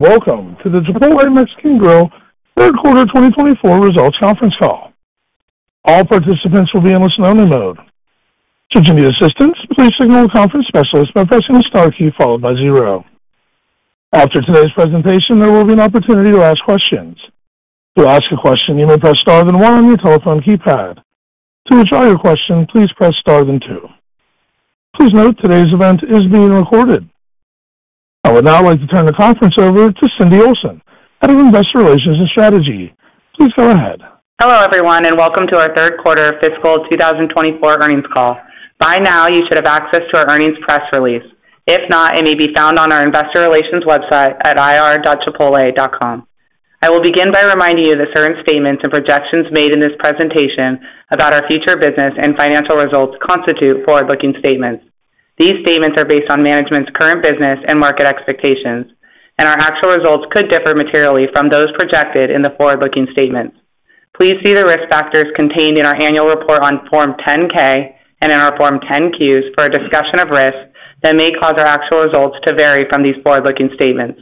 Welcome to the Chipotle Mexican Grill Third Quarter 2024 Results Conference Call. All participants will be in listen-only mode. To get assistance, please signal the conference specialist by pressing the star key followed by zero. After today's presentation, there will be an opportunity to ask questions. To ask a question, you may press star then one on your telephone keypad. To withdraw your question, please press star then two. Please note today's event is being recorded. I would now like to turn the conference over to Cindy Olsen, Head of Investor Relations and Strategy. Please go ahead. Hello everyone and welcome to our third quarter fiscal 2024 earnings call. By now, you should have access to our earnings press release. If not, it may be found on our investor relations website at ir dot chipotle dot com. I will begin by reminding you that certain statements and projections made in this presentation about our future business and financial results constitute forward-looking statements. These statements are based on management's current business and market expectations, and our actual results could differ materially from those projected in the forward-looking statements. Please see the risk factors contained in our annual report on Form 10-K and in our Form 10-Qs for a discussion of risk that may cause our actual results to vary from these forward-looking statements.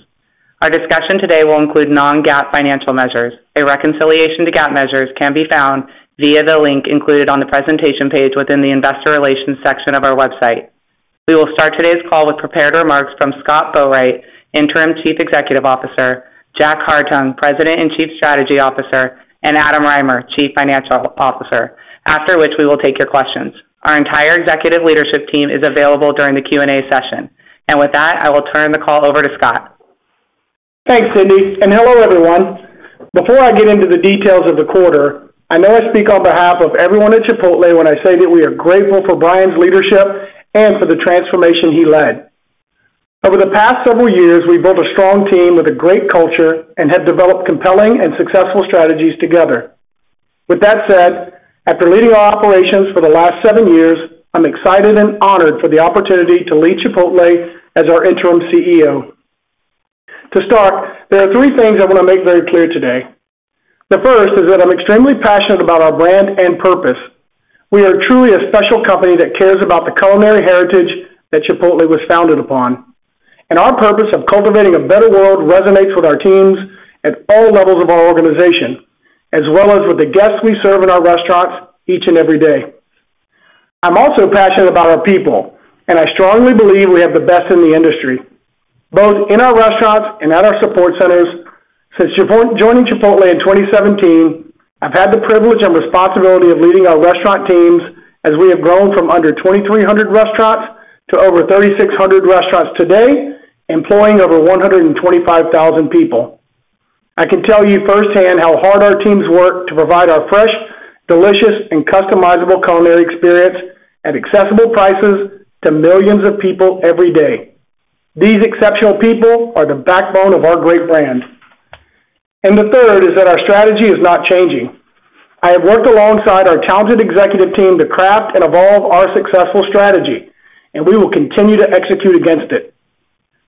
Our discussion today will include non-GAAP financial measures. A reconciliation to GAAP measures can be found via the link included on the presentation page within the investor relations section of our website. We will start today's call with prepared remarks from Scott Boatwright, Interim Chief Executive Officer, Jack Hartung, President and Chief Strategy Officer, and Adam Rymer, Chief Financial Officer, after which we will take your questions. Our entire executive leadership team is available during the Q&A session, and with that, I will turn the call over to Scott. Thanks, Cindy, and hello everyone. Before I get into the details of the quarter, I know I speak on behalf of everyone at Chipotle when I say that we are grateful for Brian's leadership and for the transformation he led. Over the past several years, we built a strong team with a great culture and have developed compelling and successful strategies together. With that said, after leading our operations for the last seven years, I'm excited and honored for the opportunity to lead Chipotle as our interim CEO. To start, there are three things I want to make very clear today. The first is that I'm extremely passionate about our brand and purpose. We are truly a special company that cares about the culinary heritage that Chipotle was founded upon, and our purpose of cultivating a better world resonates with our teams at all levels of our organization, as well as with the guests we serve in our restaurants each and every day. I'm also passionate about our people, and I strongly believe we have the best in the industry, both in our restaurants and at our support centers. Since joining Chipotle in 2017, I've had the privilege and responsibility of leading our restaurant teams as we have grown from under 2,300 restaurants to over 3,600 restaurants today, employing over 125,000 people. I can tell you firsthand how hard our teams work to provide our fresh, delicious, and customizable culinary experience at accessible prices to millions of people every day. These exceptional people are the backbone of our great brand. And the third is that our strategy is not changing. I have worked alongside our talented executive team to craft and evolve our successful strategy, and we will continue to execute against it.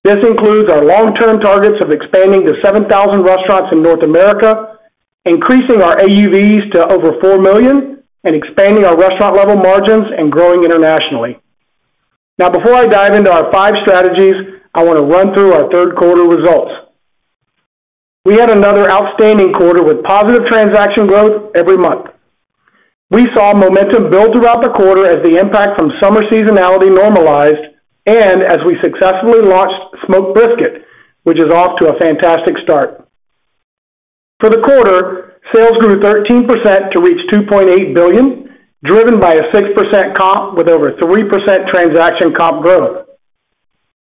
This includes our long-term targets of expanding to 7,000 restaurants in North America, increasing our AUVs to over $4 million, and expanding our restaurant-level margins and growing internationally. Now, before I dive into our five strategies, I want to run through our third quarter results. We had another outstanding quarter with positive transaction growth every month. We saw momentum build throughout the quarter as the impact from summer seasonality normalized and as we successfully launched Smoked Brisket, which is off to a fantastic start. For the quarter, sales grew 13% to reach $2.8 billion, driven by a 6% comp with over 3% transaction comp growth.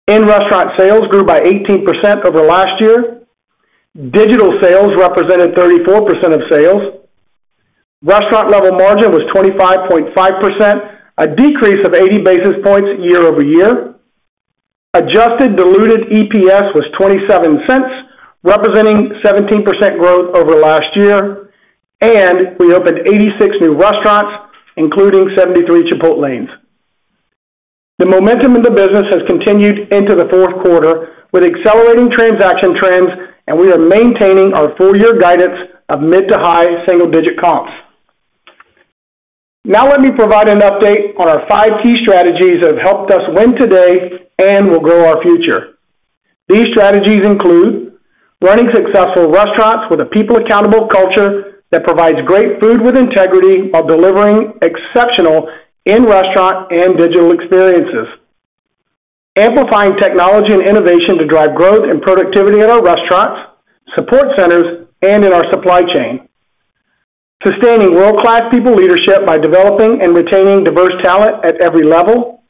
In restaurant sales, we grew by 18% over last year. Digital sales represented 34% of sales. Restaurant-level margin was 25.5%, a decrease of 80 basis points year over year. Adjusted diluted EPS was $0.27, representing 17% growth over last year, and we opened 86 new restaurants, including 73 Chipotles. The momentum in the business has continued into the fourth quarter with accelerating transaction trends, and we are maintaining our four-year guidance of mid to high single-digit comps. Now, let me provide an update on our five key strategies that have helped us win today and will grow our future. These strategies include running successful restaurants with a people-accountable culture that provides great food with integrity while delivering exceptional in-restaurant and digital experiences, amplifying technology and innovation to drive growth and productivity at our restaurants, support centers, and in our supply chain, sustaining world-class people leadership by developing and retaining diverse talent at every level,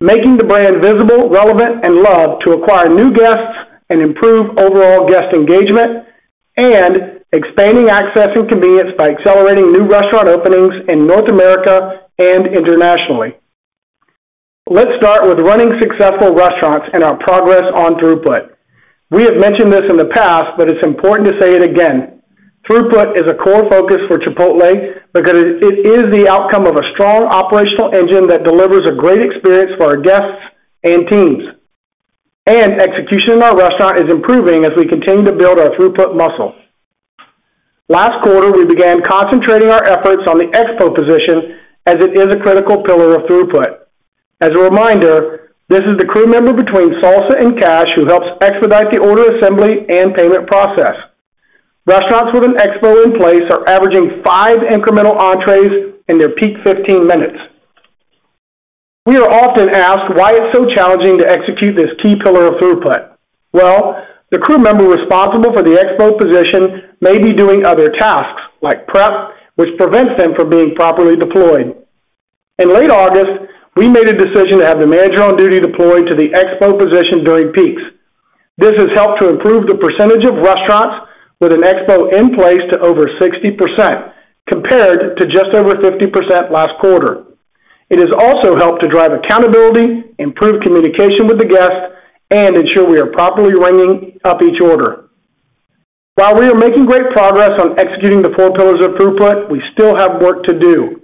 making the brand visible, relevant, and loved to acquire new guests and improve overall guest engagement, and expanding access and convenience by accelerating new restaurant openings in North America and internationally. Let's start with running successful restaurants and our progress on throughput. We have mentioned this in the past, but it's important to say it again. Throughput is a core focus for Chipotle because it is the outcome of a strong operational engine that delivers a great experience for our guests and teams, and execution in our restaurant is improving as we continue to build our throughput muscle. Last quarter, we began concentrating our efforts on the expo position as it is a critical pillar of throughput. As a reminder, this is the crew member between salsa and cash who helps expedite the order assembly and payment process. Restaurants with an expo in place are averaging five incremental entrees in their peak 15 minutes. We are often asked why it's so challenging to execute this key pillar of throughput. Well, the crew member responsible for the expo position may be doing other tasks like prep, which prevents them from being properly deployed. In late August, we made a decision to have the manager on duty deployed to the expo position during peaks. This has helped to improve the percentage of restaurants with an expo in place to over 60% compared to just over 50% last quarter. It has also helped to drive accountability, improve communication with the guests, and ensure we are properly ringing up each order. While we are making great progress on executing the four pillars of throughput, we still have work to do.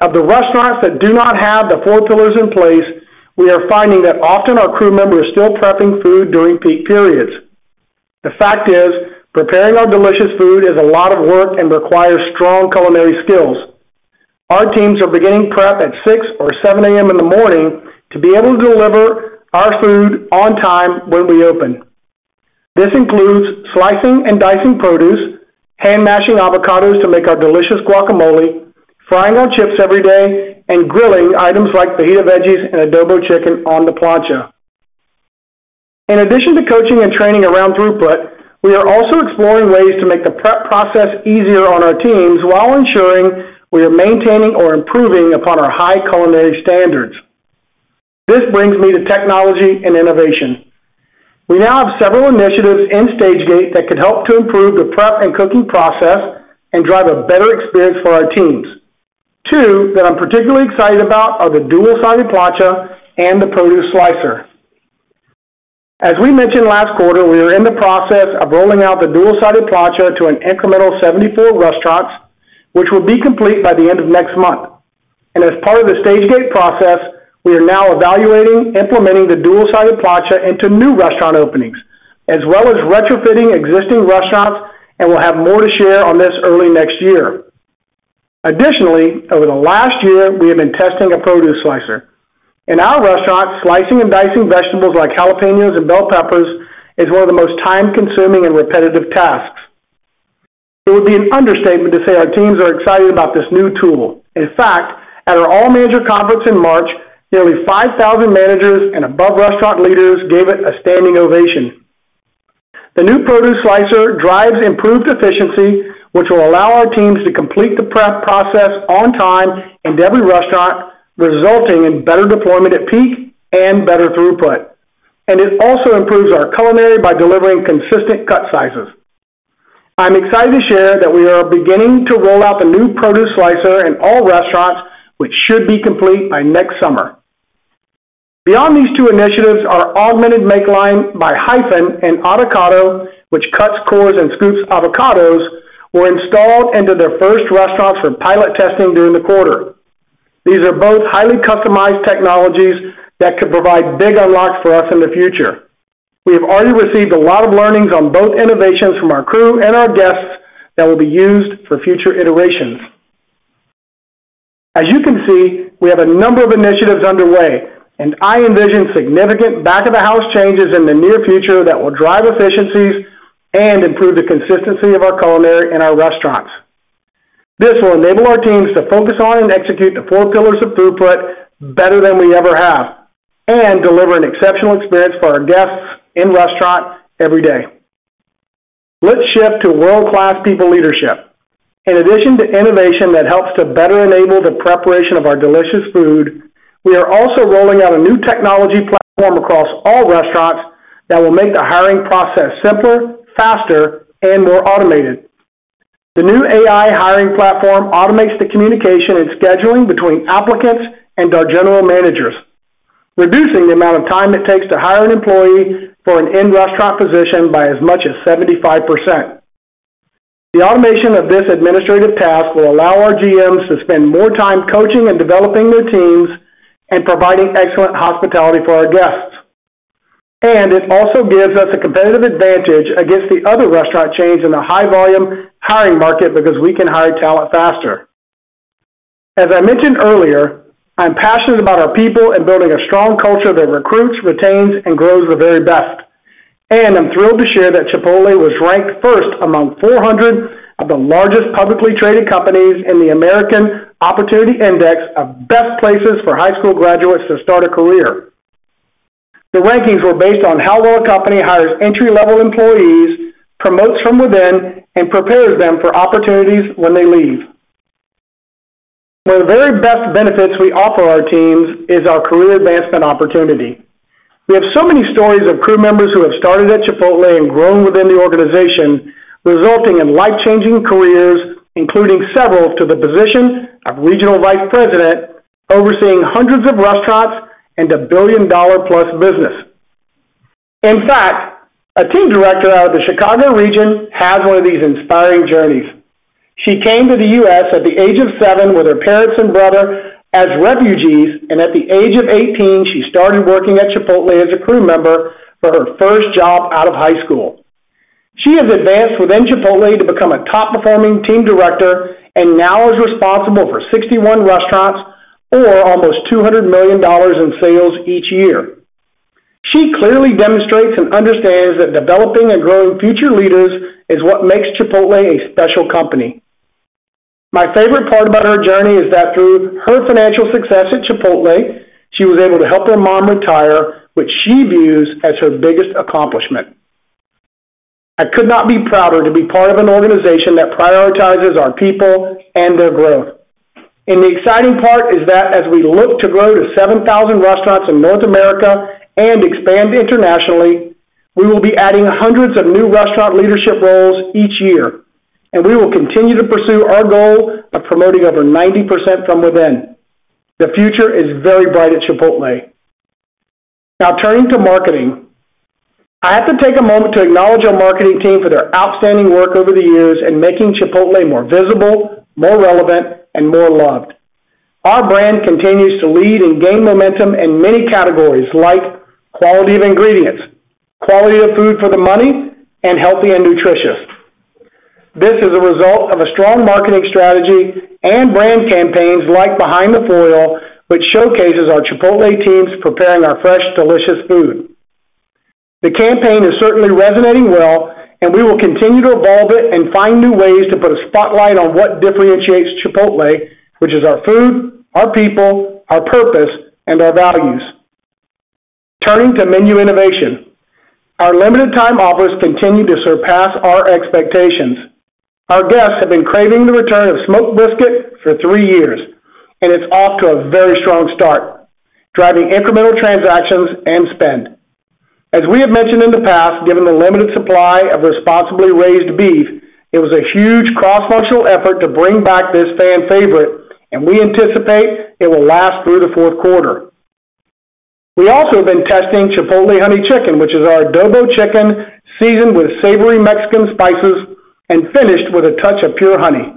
Of the restaurants that do not have the four pillars in place, we are finding that often our crew member is still prepping food during peak periods. The fact is, preparing our delicious food is a lot of work and requires strong culinary skills. Our teams are beginning prep at 6:00 A.M. or 7:00 A.M. in the morning to be able to deliver our food on time when we open. This includes slicing and dicing produce, hand mashing avocados to make our delicious guacamole, frying our chips every day, and grilling items like fajita veggies and adobo chicken on the plancha. In addition to coaching and training around throughput, we are also exploring ways to make the prep process easier on our teams while ensuring we are maintaining or improving upon our high culinary standards. This brings me to technology and innovation. We now have several initiatives in Stage-Gate that could help to improve the prep and cooking process and drive a better experience for our teams. Two that I'm particularly excited about are the dual-sided plancha and the produce slicer. As we mentioned last quarter, we are in the process of rolling out the dual-sided plancha to an incremental 74 restaurants, which will be complete by the end of next month, and as part of the Stage-Gate process, we are now evaluating implementing the dual-sided plancha into new restaurant openings, as well as retrofitting existing restaurants, and we'll have more to share on this early next year. Additionally, over the last year, we have been testing a produce slicer. In our restaurants, slicing and dicing vegetables like jalapeños and bell peppers is one of the most time-consuming and repetitive tasks. It would be an understatement to say our teams are excited about this new tool. In fact, at our all-manager conference in March, nearly 5,000 managers and above restaurant leaders gave it a standing ovation. The new produce slicer drives improved efficiency, which will allow our teams to complete the prep process on time in every restaurant, resulting in better deployment at peak and better throughput, and it also improves our culinary by delivering consistent cut sizes. I'm excited to share that we are beginning to roll out the new produce slicer in all restaurants, which should be complete by next summer. Beyond these two initiatives, our augmented make line by Hyphen and Autocado, which cuts cores and scoops avocados, were installed into their first restaurants for pilot testing during the quarter. These are both highly customized technologies that could provide big unlocks for us in the future. We have already received a lot of learnings on both innovations from our crew and our guests that will be used for future iterations. As you can see, we have a number of initiatives underway, and I envision significant back-of-the-house changes in the near future that will drive efficiencies and improve the consistency of our culinary in our restaurants. This will enable our teams to focus on and execute the four pillars of throughput better than we ever have and deliver an exceptional experience for our guests in restaurant every day. Let's shift to world-class people leadership. In addition to innovation that helps to better enable the preparation of our delicious food, we are also rolling out a new technology platform across all restaurants that will make the hiring process simpler, faster, and more automated. The new AI hiring platform automates the communication and scheduling between applicants and our general managers, reducing the amount of time it takes to hire an employee for an in-restaurant position by as much as 75%. The automation of this administrative task will allow our GMs to spend more time coaching and developing their teams and providing excellent hospitality for our guests, and it also gives us a competitive advantage against the other restaurant chains in the high-volume hiring market because we can hire talent faster. As I mentioned earlier, I'm passionate about our people and building a strong culture that recruits, retains, and grows the very best, and I'm thrilled to share that Chipotle was ranked first among 400 of the largest publicly traded companies in the American Opportunity Index of best places for high school graduates to start a career. The rankings were based on how well a company hires entry-level employees, promotes from within, and prepares them for opportunities when they leave. One of the very best benefits we offer our teams is our career advancement opportunity. We have so many stories of crew members who have started at Chipotle and grown within the organization, resulting in life-changing careers, including several to the position of regional vice president, overseeing hundreds of restaurants, and a billion-dollar-plus business. In fact, a team director out of the Chicago region has one of these inspiring journeys. She came to the U.S. at the age of seven with her parents and brother as refugees, and at the age of 18, she started working at Chipotle as a crew member for her first job out of high school. She has advanced within Chipotle to become a top-performing team director and now is responsible for 61 restaurants or almost $200 million in sales each year. She clearly demonstrates and understands that developing and growing future leaders is what makes Chipotle a special company. My favorite part about her journey is that through her financial success at Chipotle, she was able to help her mom retire, which she views as her biggest accomplishment. I could not be prouder to be part of an organization that prioritizes our people and their growth. And the exciting part is that as we look to grow to 7,000 restaurants in North America and expand internationally, we will be adding hundreds of new restaurant leadership roles each year, and we will continue to pursue our goal of promoting over 90% from within. The future is very bright at Chipotle. Now, turning to marketing, I have to take a moment to acknowledge our marketing team for their outstanding work over the years in making Chipotle more visible, more relevant, and more loved. Our brand continues to lead and gain momentum in many categories like quality of ingredients, quality of food for the money, and healthy and nutritious. This is a result of a strong marketing strategy and brand campaigns like Behind the Foil, which showcases our Chipotle teams preparing our fresh, delicious food. The campaign is certainly resonating well, and we will continue to evolve it and find new ways to put a spotlight on what differentiates Chipotle, which is our food, our people, our purpose, and our values. Turning to menu innovation, our limited-time offers continue to surpass our expectations. Our guests have been craving the return of Smoked Brisket for three years, and it's off to a very strong start, driving incremental transactions and spend. As we have mentioned in the past, given the limited supply of responsibly raised beef, it was a huge cross-functional effort to bring back this fan favorite, and we anticipate it will last through the fourth quarter. We also have been testing Chipotle Honey Chicken, which is our adobo chicken seasoned with savory Mexican spices and finished with a touch of pure honey.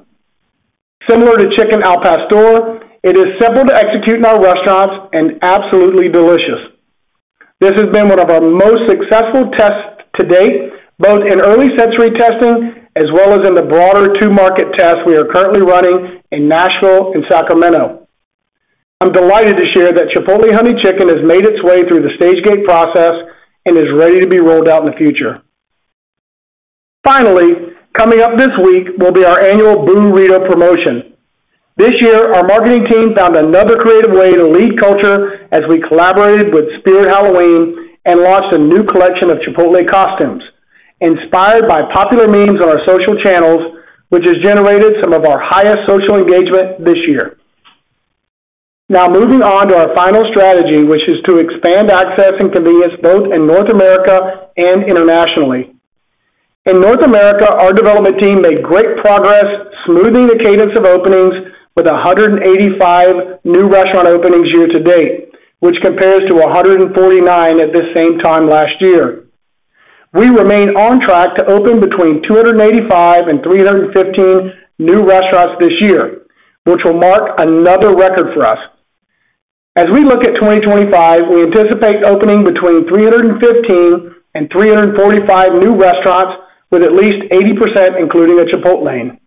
Similar to Chicken Al Pastor, it is simple to execute in our restaurants and absolutely delicious. This has been one of our most successful tests to date, both in early sensory testing as well as in the broader two-market tests we are currently running in Nashville and Sacramento. I'm delighted to share that Chipotle Honey Chicken has made its way through the Stagegate process and is ready to be rolled out in the future. Finally, coming up this week will be our annual Boorito Promotion. This year, our marketing team found another creative way to lead culture as we collaborated with Spirit Halloween and launched a new collection of Chipotle costumes inspired by popular memes on our social channels, which has generated some of our highest social engagement this year. Now, moving on to our final strategy, which is to expand access and convenience both in North America and internationally. In North America, our development team made great progress smoothing the cadence of openings with 185 new restaurant openings year to date, which compares to 149 at the same time last year. We remain on track to open between 285 and 315 new restaurants this year, which will mark another record for us. As we look at 2025, we anticipate opening between 315 and 345 new restaurants with at least 80% including a Chipotlane.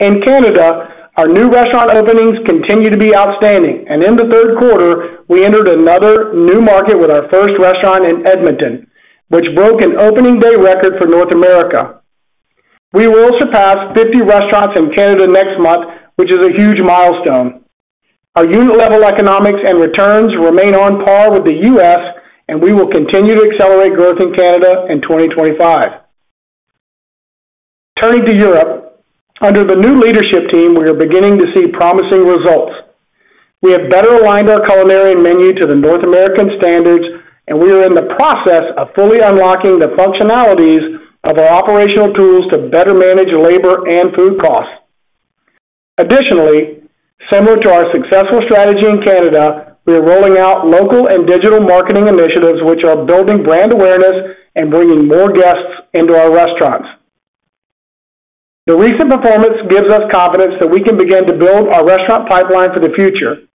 In Canada, our new restaurant openings continue to be outstanding, and in the third quarter, we entered another new market with our first restaurant in Edmonton, which broke an opening day record for North America. We will surpass 50 restaurants in Canada next month, which is a huge milestone. Our unit-level economics and returns remain on par with the U.S., and we will continue to accelerate growth in Canada in 2025. Turning to Europe, under the new leadership team, we are beginning to see promising results. We have better aligned our culinary menu to the North American standards, and we are in the process of fully unlocking the functionalities of our operational tools to better manage labor and food costs. Additionally, similar to our successful strategy in Canada, we are rolling out local and digital marketing initiatives, which are building brand awareness and bringing more guests into our restaurants. The recent performance gives us confidence that we can begin to build our restaurant pipeline for the future,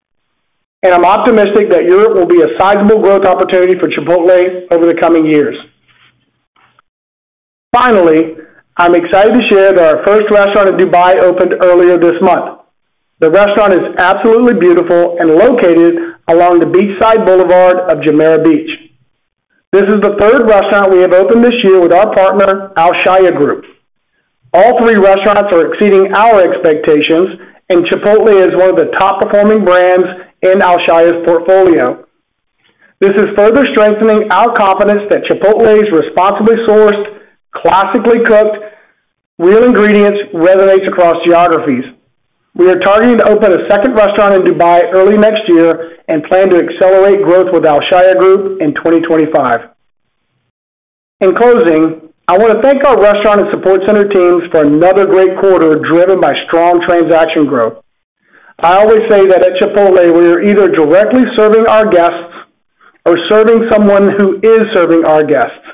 and I'm optimistic that Europe will be a sizable growth opportunity for Chipotle over the coming years. Finally, I'm excited to share that our first restaurant in Dubai opened earlier this month. The restaurant is absolutely beautiful and located along the beachside boulevard of Jumeirah Beach. This is the third restaurant we have opened this year with our partner, Alshaya Group. All three restaurants are exceeding our expectations, and Chipotle is one of the top-performing brands in Alshaya's portfolio. This is further strengthening our confidence that Chipotle's responsibly sourced, classically cooked, real ingredients resonate across geographies. We are targeting to open a second restaurant in Dubai early next year and plan to accelerate growth with Alshaya Group in 2025. In closing, I want to thank our restaurant and support center teams for another great quarter driven by strong transaction growth. I always say that at Chipotle, we are either directly serving our guests or serving someone who is serving our guests,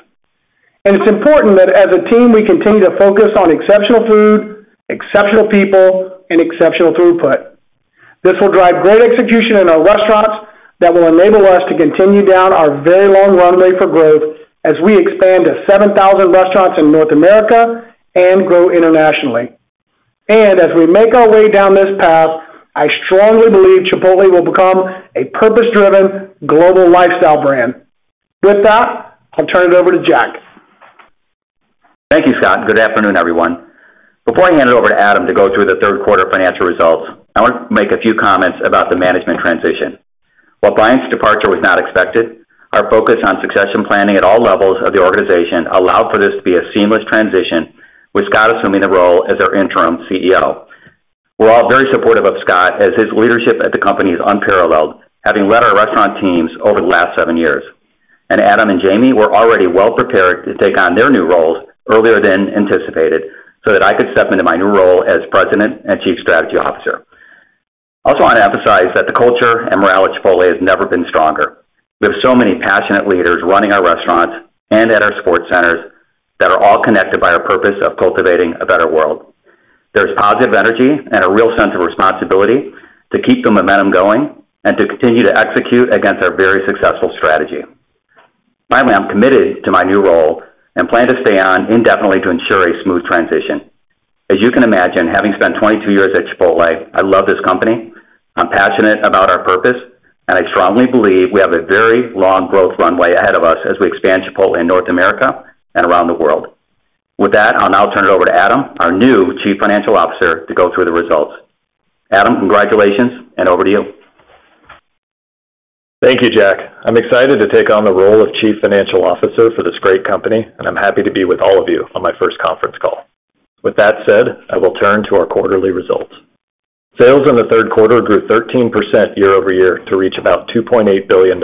and it's important that as a team, we continue to focus on exceptional food, exceptional people, and exceptional throughput. This will drive great execution in our restaurants that will enable us to continue down our very long runway for growth as we expand to 7,000 restaurants in North America and grow internationally, and as we make our way down this path, I strongly believe Chipotle will become a purpose-driven global lifestyle brand. With that, I'll turn it over to Jack. Thank you, Scott. Good afternoon, everyone. Before I hand it over to Adam to go through the third quarter financial results, I want to make a few comments about the management transition. While Brian's departure was not expected, our focus on succession planning at all levels of the organization allowed for this to be a seamless transition with Scott assuming the role as our interim CEO. We're all very supportive of Scott as his leadership at the company is unparalleled, having led our restaurant teams over the last seven years. And Adam and Jamie were already well prepared to take on their new roles earlier than anticipated so that I could step into my new role as President and Chief Strategy Officer. I also want to emphasize that the culture and morale at Chipotle has never been stronger. We have so many passionate leaders running our restaurants and at our support centers that are all connected by our purpose of cultivating a better world. There's positive energy and a real sense of responsibility to keep the momentum going and to continue to execute against our very successful strategy. Finally, I'm committed to my new role and plan to stay on indefinitely to ensure a smooth transition. As you can imagine, having spent 22 years at Chipotle, I love this company. I'm passionate about our purpose, and I strongly believe we have a very long growth runway ahead of us as we expand Chipotle in North America and around the world. With that, I'll now turn it over to Adam, our new Chief Financial Officer, to go through the results. Adam, congratulations, and over to you. Thank you, Jack. I'm excited to take on the role of Chief Financial Officer for this great company, and I'm happy to be with all of you on my first conference call. With that said, I will turn to our quarterly results. Sales in the third quarter grew 13% year over year to reach about $2.8 billion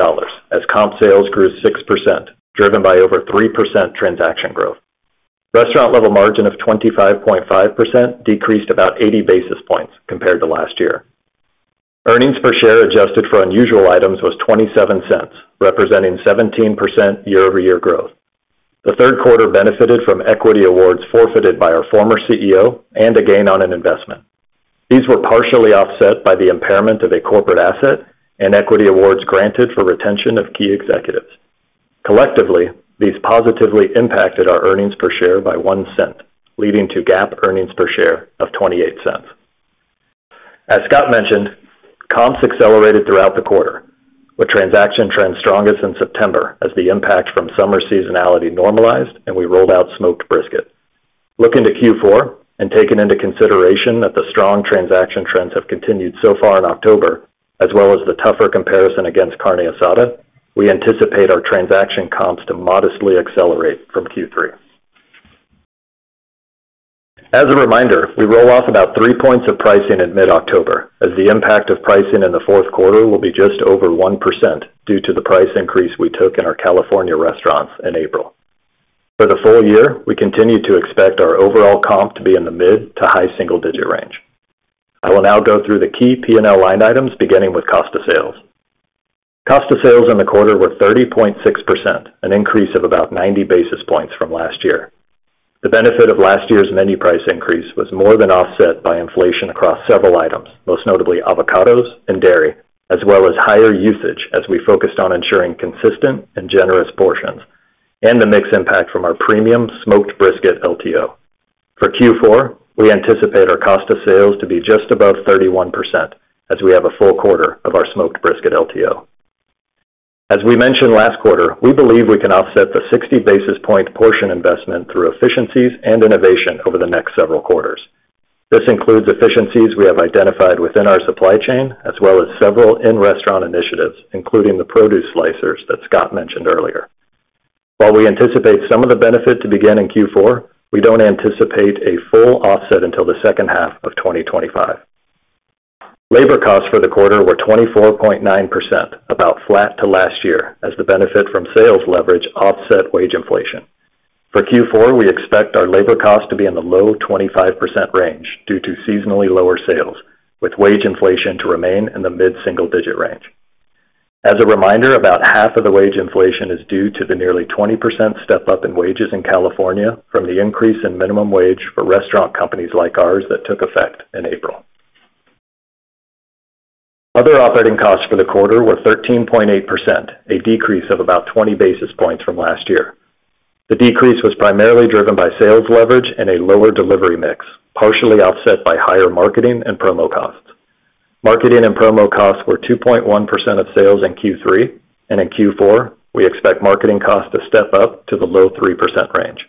as comp sales grew 6%, driven by over 3% transaction growth. Restaurant-level margin of 25.5% decreased about 80 basis points compared to last year. Earnings per share adjusted for unusual items was $0.27, representing 17% year-over-year growth. The third quarter benefited from equity awards forfeited by our former CEO and a gain on an investment. These were partially offset by the impairment of a corporate asset and equity awards granted for retention of key executives. Collectively, these positively impacted our earnings per share by $0.01, leading to GAAP earnings per share of $0.28. As Scott mentioned, comps accelerated throughout the quarter, with transaction trends strongest in September as the impact from summer seasonality normalized and we rolled out Smoked Brisket. Looking to Q4 and taking into consideration that the strong transaction trends have continued so far in October, as well as the tougher comparison against Carne Asada, we anticipate our transaction comps to modestly accelerate from Q3. As a reminder, we roll off about three points of pricing in mid-October as the impact of pricing in the fourth quarter will be just over 1% due to the price increase we took in our California restaurants in April. For the full year, we continue to expect our overall comp to be in the mid to high single-digit range. I will now go through the key P&L line items, beginning with cost of sales. Cost of sales in the quarter were 30.6%, an increase of about 90 basis points from last year. The benefit of last year's menu price increase was more than offset by inflation across several items, most notably avocados and dairy, as well as higher usage as we focused on ensuring consistent and generous portions and the mixed impact from our premium Smoked Brisket LTO. For Q4, we anticipate our cost of sales to be just above 31% as we have a full quarter of our Smoked Brisket LTO. As we mentioned last quarter, we believe we can offset the 60 basis point portion investment through efficiencies and innovation over the next several quarters. This includes efficiencies we have identified within our supply chain as well as several in-restaurant initiatives, including the produce slicers that Scott mentioned earlier. While we anticipate some of the benefit to begin in Q4, we don't anticipate a full offset until the second half of 2025. Labor costs for the quarter were 24.9%, about flat to last year, as the benefit from sales leverage offset wage inflation. For Q4, we expect our labor costs to be in the low 25% range due to seasonally lower sales, with wage inflation to remain in the mid single-digit range. As a reminder, about half of the wage inflation is due to the nearly 20% step-up in wages in California from the increase in minimum wage for restaurant companies like ours that took effect in April. Other operating costs for the quarter were 13.8%, a decrease of about 20 basis points from last year. The decrease was primarily driven by sales leverage and a lower delivery mix, partially offset by higher marketing and promo costs. Marketing and promo costs were 2.1% of sales in Q3, and in Q4, we expect marketing costs to step up to the low 3% range.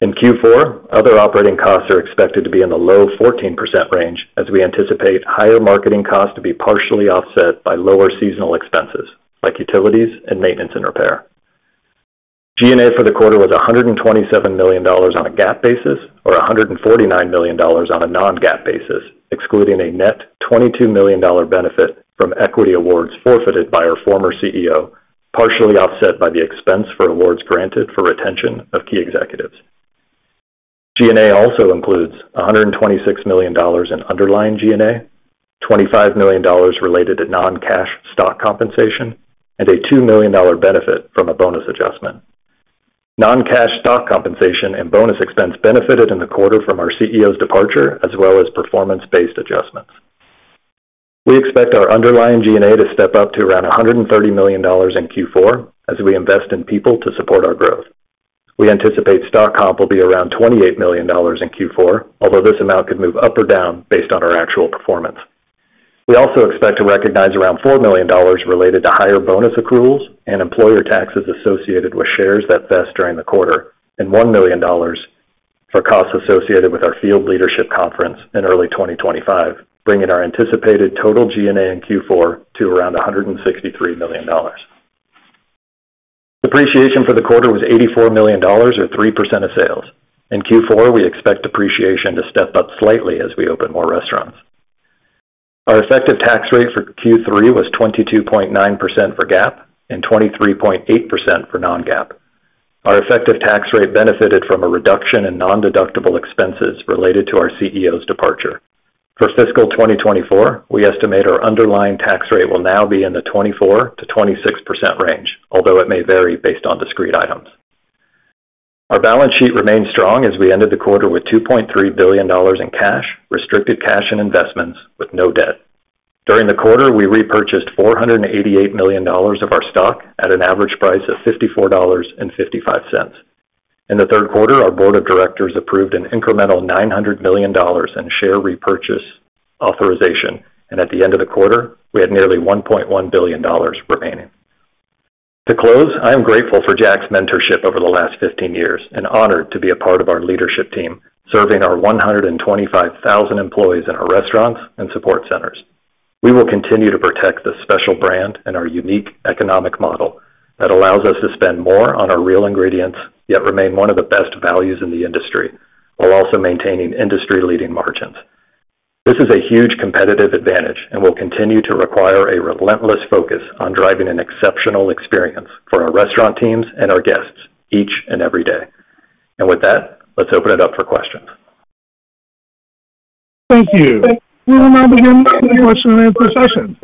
In Q4, other operating costs are expected to be in the low 14% range as we anticipate higher marketing costs to be partially offset by lower seasonal expenses like utilities and maintenance and repair. G&A for the quarter was $127 million on a GAAP basis or $149 million on a non-GAAP basis, excluding a net $22 million benefit from equity awards forfeited by our former CEO, partially offset by the expense for awards granted for retention of key executives. G&A also includes $126 million in underlying G&A, $25 million related to non-cash stock compensation, and a $2 million benefit from a bonus adjustment. Non-cash stock compensation and bonus expense benefited in the quarter from our CEO's departure as well as performance-based adjustments. We expect our underlying G&A to step up to around $130 million in Q4 as we invest in people to support our growth. We anticipate stock comp will be around $28 million in Q4, although this amount could move up or down based on our actual performance. We also expect to recognize around $4 million related to higher bonus accruals and employer taxes associated with shares that vest during the quarter and $1 million for costs associated with our field leadership conference in early 2025, bringing our anticipated total G&A in Q4 to around $163 million. Depreciation for the quarter was $84 million or 3% of sales. In Q4, we expect depreciation to step up slightly as we open more restaurants. Our effective tax rate for Q3 was 22.9% for GAAP and 23.8% for non-GAAP. Our effective tax rate benefited from a reduction in non-deductible expenses related to our CEO's departure. For fiscal 2024, we estimate our underlying tax rate will now be in the 24%-26% range, although it may vary based on discrete items. Our balance sheet remained strong as we ended the quarter with $2.3 billion in cash, restricted cash and investments with no debt. During the quarter, we repurchased $488 million of our stock at an average price of $54.55. In the third quarter, our board of directors approved an incremental $900 million in share repurchase authorization, and at the end of the quarter, we had nearly $1.1 billion remaining. To close, I am grateful for Jack's mentorship over the last 15 years and honored to be a part of our leadership team serving our 125,000 employees in our restaurants and support centers. We will continue to protect the special brand and our unique economic model that allows us to spend more on our real ingredients yet remain one of the best values in the industry while also maintaining industry-leading margins. This is a huge competitive advantage and will continue to require a relentless focus on driving an exceptional experience for our restaurant teams and our guests each and every day. And with that, let's open it up for questions. Thank you. We will now begin the question-and-answer session.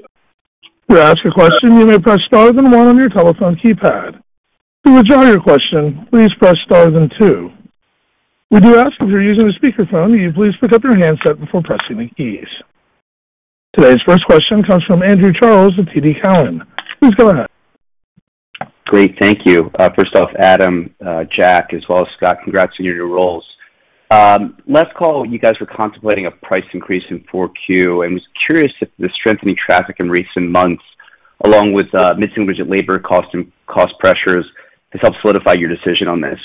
To ask a question, you may press star then one on your telephone keypad. To withdraw your question, please press star then two. We do ask if you're using a speakerphone, that you please pick up your handset before pressing the keys. Today's first question comes from Andrew Charles at TD Cowen. Please go ahead. Great. Thank you. First off, Adam, Jack, as well as Scott, congrats on your new roles. Last call, you guys were contemplating a price increase in 4Q, and I was curious if the strengthening traffic in recent months, along with missing wage and labor cost pressures, has helped solidify your decision on this.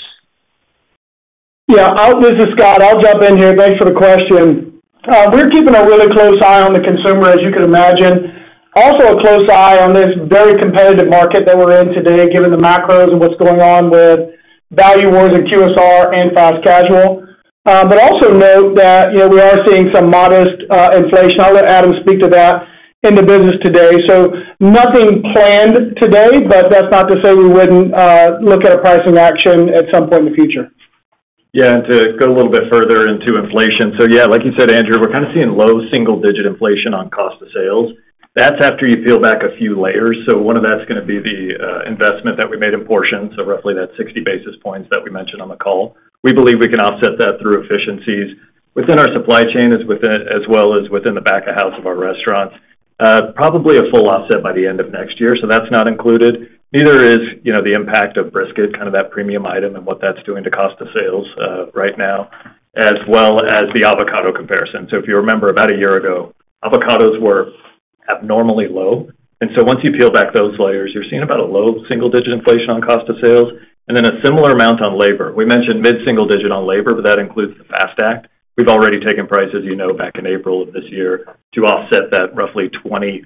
Yeah. This is Scott. I'll jump in here. Thanks for the question. We're keeping a really close eye on the consumer, as you can imagine. Also a close eye on this very competitive market that we're in today, given the macros and what's going on with value wars in QSR and fast casual. But also note that we are seeing some modest inflation. I'll let Adam speak to that in the business today. So nothing planned today, but that's not to say we wouldn't look at a pricing action at some point in the future. Yeah. To go a little bit further into inflation. Yeah, like you said, Andrew, we're kind of seeing low single-digit inflation on cost of sales. That's after you peel back a few layers. One of that's going to be the investment that we made in portions, so roughly that 60 basis points that we mentioned on the call. We believe we can offset that through efficiencies within our supply chain as well as within the back of house of our restaurants. Probably a full offset by the end of next year. That's not included. Neither is the impact of brisket, kind of that premium item and what that's doing to cost of sales right now, as well as the avocado comparison. If you remember about a year ago, avocados were abnormally low. Once you peel back those layers, you're seeing about a low single-digit inflation on cost of sales and then a similar amount on labor. We mentioned mid-single digit on labor, but that includes the FAST Act. We've already taken prices, you know, back in April of this year to offset that roughly 20%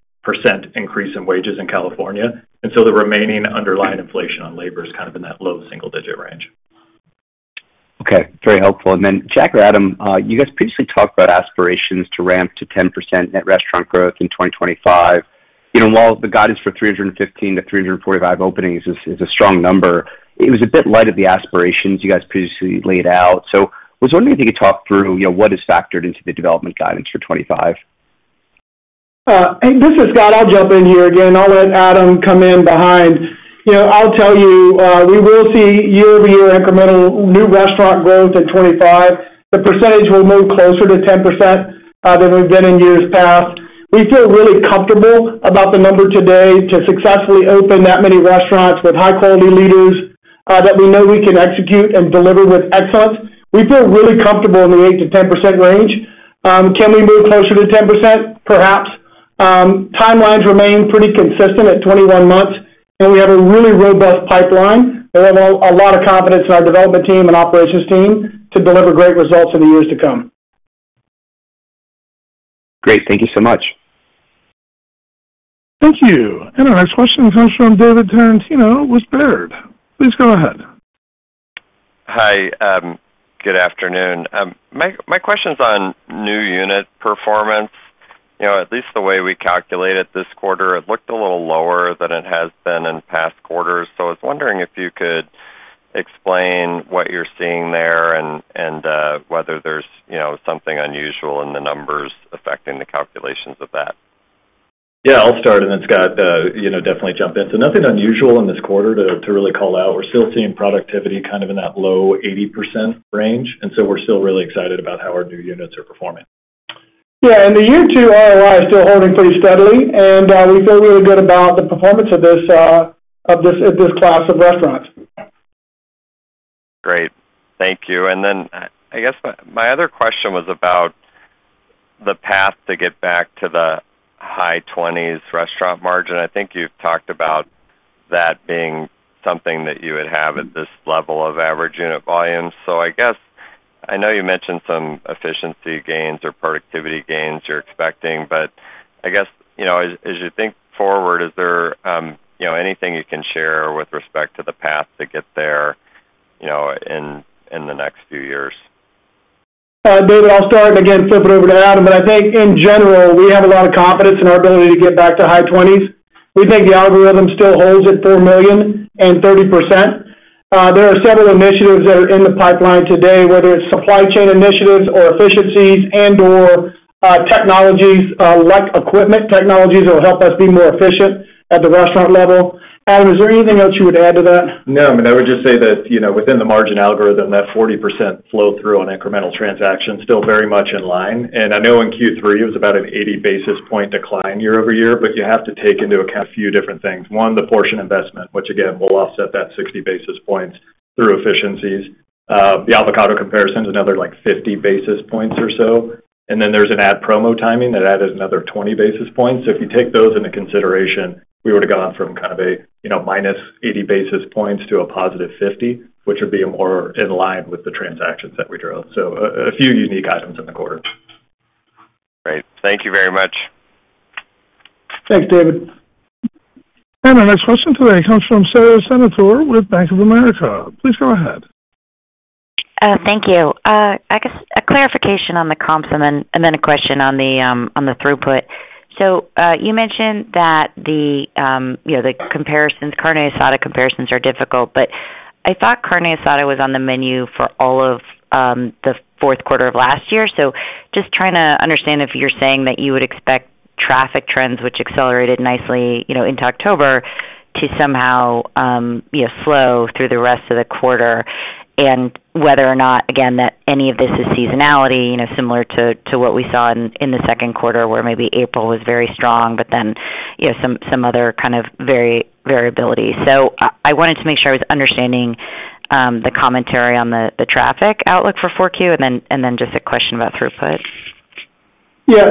increase in wages in California. The remaining underlying inflation on labor is kind of in that low single-digit range. Okay. Very helpful. Then Jack or Adam, you guys previously talked about aspirations to ramp to 10% net restaurant growth in 2025. While the guidance for 315-345 openings is a strong number, it was a bit light of the aspirations you guys previously laid out. So I was wondering if you could talk through what is factored into the development guidance for 2025. This is Scott. I'll jump in here again. I'll let Adam come in behind. I'll tell you, we will see year-over-year incremental new restaurant growth in 2025. The percentage will move closer to 10% than we've been in years past. We feel really comfortable about the number today to successfully open that many restaurants with high-quality leaders that we know we can execute and deliver with excellence. We feel really comfortable in the 8%-10% range. Can we move closer to 10%? Perhaps. Timelines remain pretty consistent at 21 months, and we have a really robust pipeline. We have a lot of confidence in our development team and operations team to deliver great results in the years to come. Great. Thank you so much. Thank you. And our next question comes from David Tarantino with Baird. Please go ahead. Hi. Good afternoon. My question's on new unit performance. At least the way we calculate it this quarter, it looked a little lower than it has been in past quarters. So I was wondering if you could explain what you're seeing there and whether there's something unusual in the numbers affecting the calculations of that. Yeah. I'll start, and then Scott, definitely jump in. So nothing unusual in this quarter to really call out. We're still seeing productivity kind of in that low 80% range, and so we're still really excited about how our new units are performing. Yeah. And the year-two ROI is still holding pretty steadily, and we feel really good about the performance of this class of restaurants. Great. Thank you. And then I guess my other question was about the path to get back to the high 20s restaurant margin. I think you've talked about that being something that you would have at this level of average unit volume. So I guess I know you mentioned some efficiency gains or productivity gains you're expecting, but I guess as you think forward, is there anything you can share with respect to the path to get there in the next few years? David, I'll start again flipping over to Adam, but I think in general, we have a lot of confidence in our ability to get back to high 20s. We think the algorithm still holds at 4 million and 30%. There are several initiatives that are in the pipeline today, whether it's supply chain initiatives or efficiencies and/or technologies like equipment technologies that will help us be more efficient at the restaurant level. Adam, is there anything else you would add to that? No, I mean, I would just say that within the margin algorithm, that 40% flow-through on incremental transaction is still very much in line, and I know in Q3 it was about an 80 basis point decline year over year, but you have to take into account a few different things. One, the portion investment, which again, will offset that 60 basis points through efficiencies. The avocado comparison is another like 50 basis points or so, and then there's an ad promo timing that added another 20 basis points. So if you take those into consideration, we would have gone from kind of a minus 80 basis points to a positive 50, which would be more in line with the transactions that we drew, so a few unique items in the quarter. Great. Thank you very much. Thanks, David. Our next question today comes from Sara Senatore with Bank of America. Please go ahead. Thank you. I guess a clarification on the comps and then a question on the throughput. So you mentioned that the comparisons, Carne Asada comparisons are difficult, but I thought Carne Asada was on the menu for all of the fourth quarter of last year. So just trying to understand if you're saying that you would expect traffic trends, which accelerated nicely into October, to somehow slow through the rest of the quarter and whether or not, again, that any of this is seasonality, similar to what we saw in the second quarter where maybe April was very strong, but then some other kind of variability. So I wanted to make sure I was understanding the commentary on the traffic outlook for 4Q and then just a question about throughput. Yeah.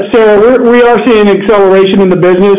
We are seeing acceleration in the business,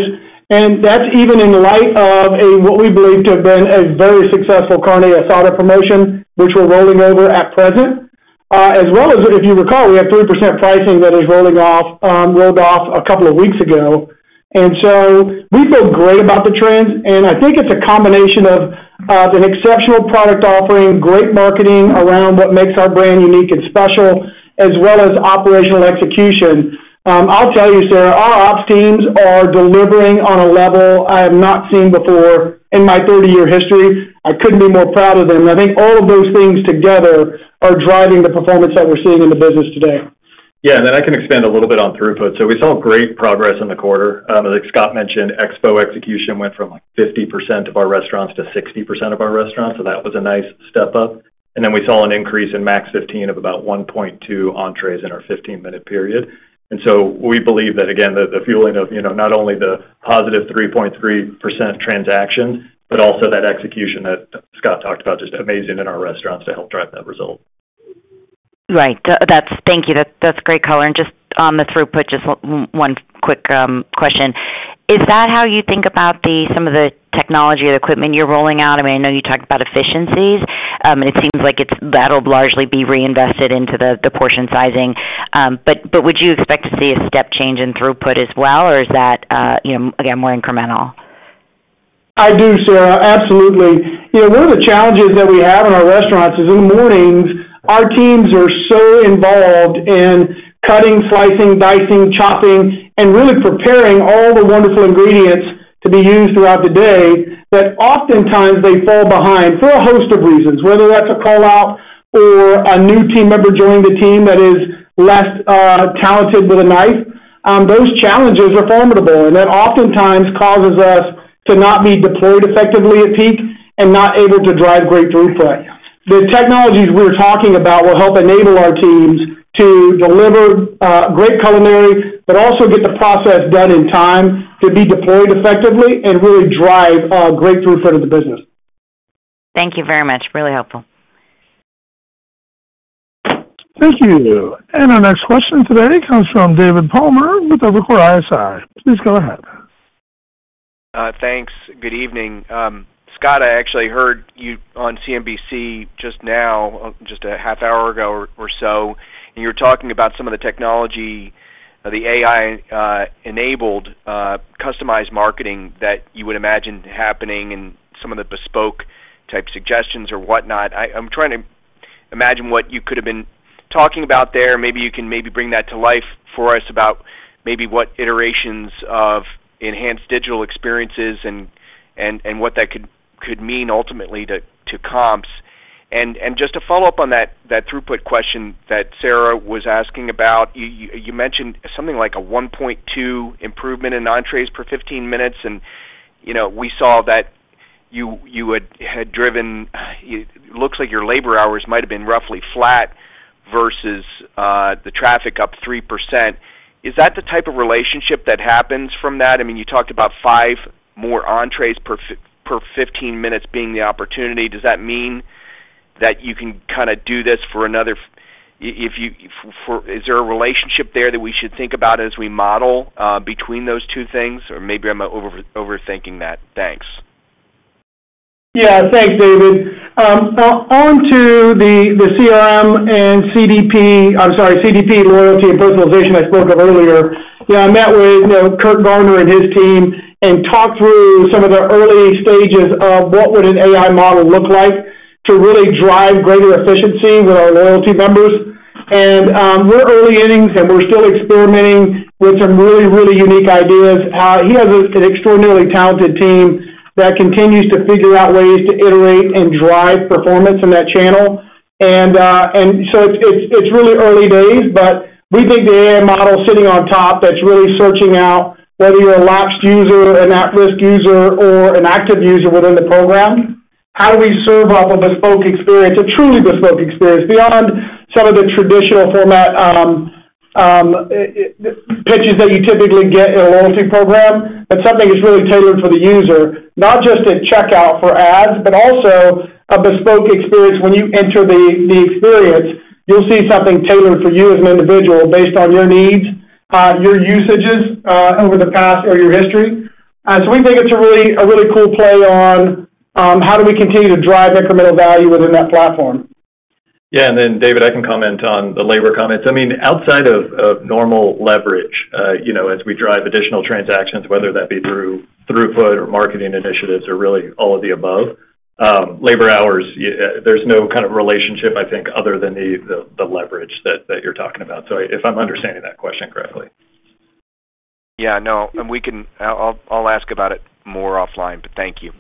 and that's even in light of what we believe to have been a very successful Carne Asada promotion, which we're rolling over at present, as well as, if you recall, we have 3% pricing that is rolled off a couple of weeks ago. We feel great about the trend, and I think it's a combination of an exceptional product offering, great marketing around what makes our brand unique and special, as well as operational execution. I'll tell you, Sara, our ops teams are delivering on a level I have not seen before in my 30-year history. I couldn't be more proud of them. I think all of those things together are driving the performance that we're seeing in the business today. Yeah. I can expand a little bit on throughput. We saw great progress in the quarter. Like Scott mentioned, expo execution went from like 50% of our restaurants to 60% of our restaurants. So that was a nice step up. And then we saw an increase in Max 15 of about 1.2 entrees in our 15-minute period. And so we believe that, again, the fueling of not only the positive 3.3% transactions, but also that execution that Scott talked about, just amazing in our restaurants to help drive that result. Right. Thank you. That's great color. And just on the throughput, just one quick question. Is that how you think about some of the technology or the equipment you're rolling out? I mean, I know you talked about efficiencies. It seems like that'll largely be reinvested into the portion sizing. But would you expect to see a step change in throughput as well, or is that, again, more incremental? I do, Sara. Absolutely. One of the challenges that we have in our restaurants is in the mornings, our teams are so involved in cutting, slicing, dicing, chopping, and really preparing all the wonderful ingredients to be used throughout the day that oftentimes they fall behind for a host of reasons, whether that's a callout or a new team member joining the team that is less talented with a knife. Those challenges are formidable, and that oftentimes causes us to not be deployed effectively at peak and not able to drive great throughput. The technologies we're talking about will help enable our teams to deliver great culinary, but also get the process done in time to be deployed effectively and really drive great throughput of the business. Thank you very much. Really helpful. Thank you. And our next question today comes from David Palmer with Evercore ISI. Please go ahead. Thanks. Good evening. Scott, I actually heard you on CNBC just now, just a half hour ago or so, and you were talking about some of the technology, the AI-enabled customized marketing that you would imagine happening and some of the bespoke type suggestions or whatnot. I'm trying to imagine what you could have been talking about there. Maybe you can bring that to life for us about maybe what iterations of enhanced digital experiences and what that could mean ultimately to comps. And just to follow up on that throughput question that Sara was asking about, you mentioned something like a 1.2% improvement in entrees per 15 minutes, and we saw that you had driven it looks like your labor hours might have been roughly flat versus the traffic up 3%. Is that the type of relationship that happens from that? I mean, you talked about five more entrees per 15 minutes being the opportunity. Does that mean that you can kind of do this for another? Is there a relationship there that we should think about as we model between those two things? Or maybe I'm overthinking that. Thanks. Yeah. Thanks, David. Onto the CRM and CDP. I'm sorry, CDP, loyalty, and personalization I spoke of earlier. Yeah. I met with Curtis Garner and his team and talked through some of the early stages of what would an AI model look like to really drive greater efficiency with our loyalty members. And we're early innings, and we're still experimenting with some really, really unique ideas. He has an extraordinarily talented team that continues to figure out ways to iterate and drive performance in that channel. And so it's really early days, but we think the AI model sitting on top that's really searching out whether you're a lapsed user, an at-risk user, or an active user within the program, how do we serve up a bespoke experience, a truly bespoke experience beyond some of the traditional format pitches that you typically get in a loyalty program, but something that's really tailored for the user, not just at checkout for ads, but also a bespoke experience. When you enter the experience, you'll see something tailored for you as an individual based on your needs, your usages over the past, or your history. So we think it's a really cool play on how do we continue to drive incremental value within that platform. Yeah. And then, David, I can comment on the labor comments. I mean, outside of normal leverage, as we drive additional transactions, whether that be through throughput or marketing initiatives or really all of the above, labor hours, there's no kind of relationship, I think, other than the leverage that you're talking about. So if I'm understanding that question correctly? Yeah. No. And I'll ask about it more offline, but thank you.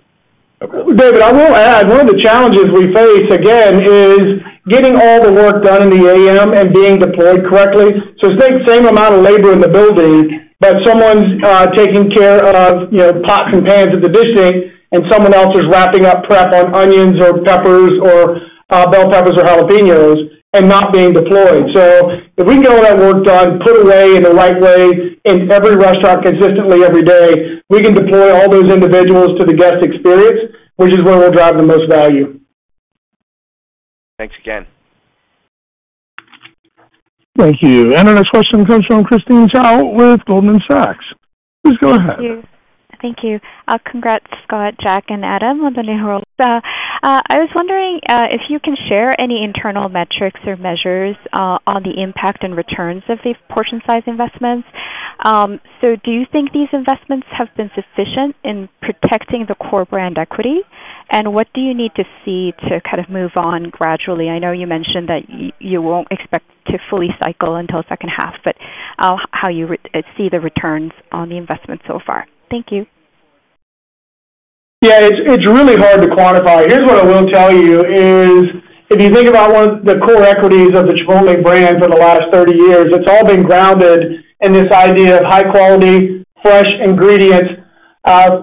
David, I will add one of the challenges we face, again, is getting all the work done in the A.M. and being deployed correctly. So it's the same amount of labor in the building, but someone's taking care of pots and pans at the dish sink, and someone else is wrapping up prep on onions or peppers or bell peppers or jalapeños and not being deployed. So if we can get all that work done, put away in the right way in every restaurant consistently every day, we can deploy all those individuals to the guest experience, which is where we'll drive the most value. Thanks again. Thank you. And our next question comes from Christine Cho with Goldman Sachs. Please go ahead. Thank you. Thank you. Congrats, Scott, Jack, and Adam on the new role. I was wondering if you can share any internal metrics or measures on the impact and returns of these portion size investments. So do you think these investments have been sufficient in protecting the core brand equity, and what do you need to see to kind of move on gradually? I know you mentioned that you won't expect to fully cycle until second half, but how you see the returns on the investment so far. Thank you. Yeah. It's really hard to quantify. Here's what I will tell you is if you think about one of the core equities of the Chipotle brand for the last 30 years, it's all been grounded in this idea of high-quality, fresh ingredients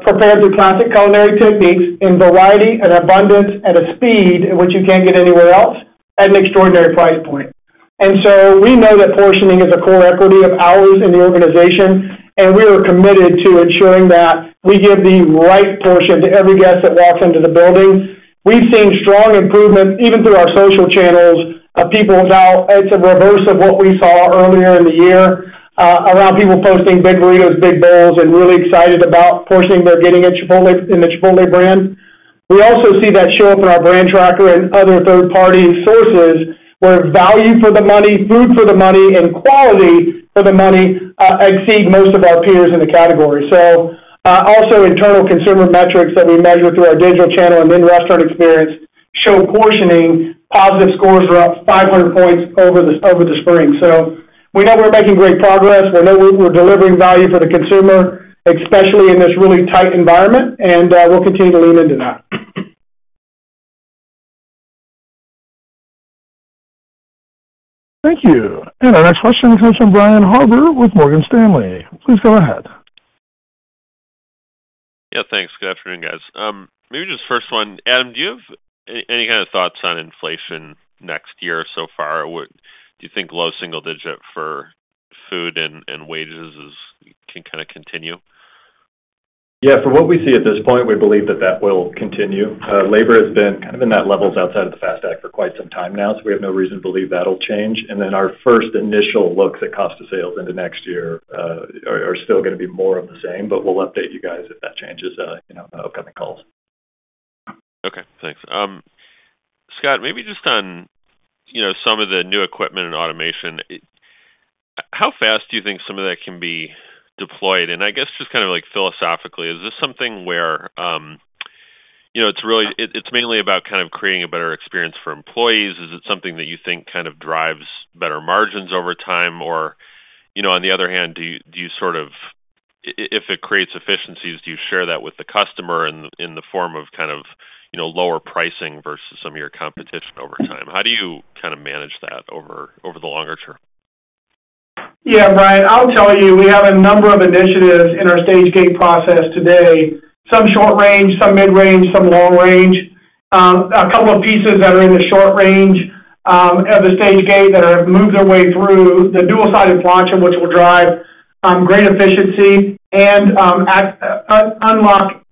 prepared through classic culinary techniques in variety and abundance at a speed in which you can't get anywhere else at an extraordinary price point, and so we know that portioning is a core equity of ours in the organization, and we are committed to ensuring that we give the right portion to every guest that walks into the building. We've seen strong improvement even through our social channels of people. Now, it's a reverse of what we saw earlier in the year around people posting big burritos, big bowls, and really excited about portioning they're getting in the Chipotle brand. We also see that show up in our brand tracker and other third-party sources where value for the money, food for the money, and quality for the money exceed most of our peers in the category. So also, internal consumer metrics that we measure through our digital channel and in-restaurant experience show portioning positive scores for up 500 points over the spring. So we know we're making great progress. We know we're delivering value for the consumer, especially in this really tight environment, and we'll continue to lean into that. Thank you. And our next question comes from Brian Harbour with Morgan Stanley. Please go ahead. Yeah. Thanks. Good afternoon, guys. Maybe just first one. Adam, do you have any kind of thoughts on inflation next year so far? Do you think low single digit for food and wages can kind of continue? Yeah. For what we see at this point, we believe that that will continue. Labor has been kind of in that levels outside of the FASTAC for quite some time now, so we have no reason to believe that'll change. And then our first initial looks at cost of sales into next year are still going to be more of the same, but we'll update you guys if that changes in upcoming calls. Okay. Thanks. Scott, maybe just on some of the new equipment and automation, how fast do you think some of that can be deployed? And I guess just kind of philosophically, is this something where it's mainly about kind of creating a better experience for employees? Is it something that you think kind of drives better margins over time? Or on the other hand, do you sort of, if it creates efficiencies, do you share that with the customer in the form of kind of lower pricing versus some of your competition over time? How do you kind of manage that over the longer term? Yeah. Brian, I'll tell you, we have a number of initiatives in our stage gate process today, some short range, some mid range, some long range. A couple of pieces that are in the short range of the stage gate that have moved their way through the dual-sided plancha, which will drive great efficiency and unlock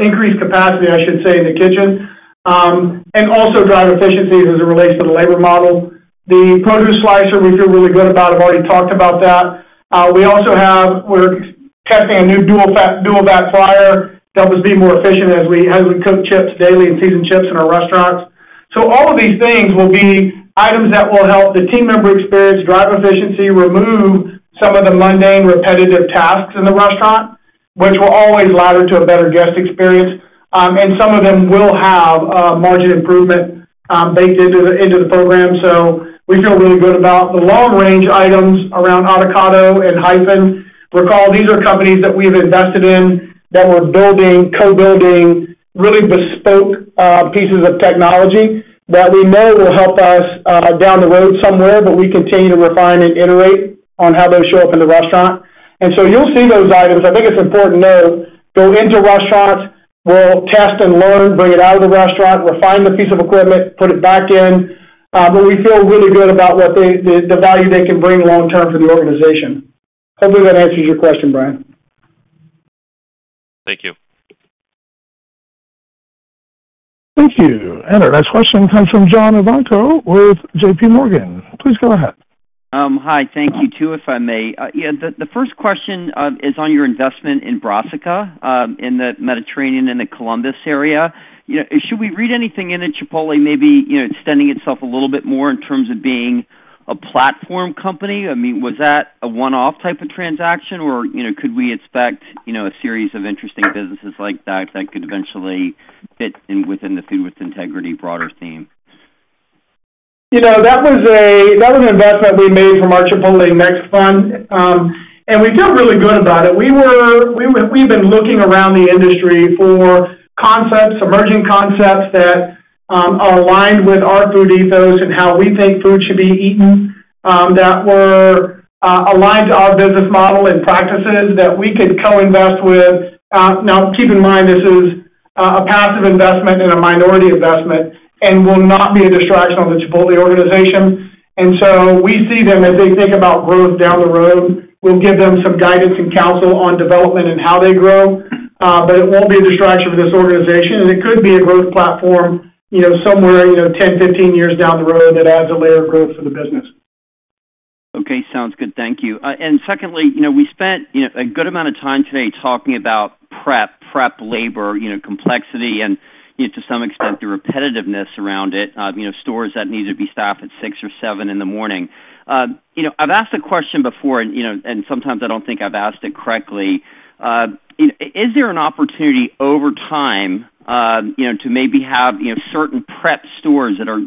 increased capacity, I should say, in the kitchen, and also drive efficiencies as it relates to the labor model. The produce slicer, we feel really good about. I've already talked about that. We also have. We're testing a new dual-vat fryer that will be more efficient as we cook chips daily and season chips in our restaurants, so all of these things will be items that will help the team member experience, drive efficiency, remove some of the mundane repetitive tasks in the restaurant, which will always ladder to a better guest experience. And some of them will have margin improvement baked into the program, so we feel really good about the long-range items around Autocado and Hyphen. Recall, these are companies that we have invested in that we're building, co-building really bespoke pieces of technology that we know will help us down the road somewhere, but we continue to refine and iterate on how those show up in the restaurant, and so you'll see those items. I think it's important to know. Go into restaurants, we'll test and learn, bring it out of the restaurant, refine the piece of equipment, put it back in. But we feel really good about the value they can bring long-term for the organization. Hopefully, that answers your question, Brian. Thank you. Thank you. And our next question comes from John Ivankoe with JPMorgan. Please go ahead. Hi. Thank you too, if I may. Yeah. The first question is on your investment in Brassica in the Mediterranean and the Columbus area. Should we read anything into that at Chipotle, maybe extending itself a little bit more in terms of being a platform company? I mean, was that a one-off type of transaction, or could we expect a series of interesting businesses like that that could eventually fit in within the Food With Integrity broader theme? That was an investment we made from our Chipotle Next Fund, and we feel really good about it. We've been looking around the industry for concepts, emerging concepts that are aligned with our food ethos and how we think food should be eaten, that were aligned to our business model and practices that we could co-invest with. Now, keep in mind, this is a passive investment and a minority investment and will not be a distraction on the Chipotle organization. And so we see them as they think about growth down the road. We'll give them some guidance and counsel on development and how they grow, but it won't be a distraction for this organization. And it could be a growth platform somewhere 10, 15 years down the road that adds a layer of growth for the business. Okay. Sounds good. Thank you. And secondly, we spent a good amount of time today talking about prep, prep labor, complexity, and to some extent the repetitiveness around it, stores that need to be staffed at 6:00 A.M. or 7:00 A.M. in the morning. I've asked the question before, and sometimes I don't think I've asked it correctly. Is there an opportunity over time to maybe have certain prep stores that are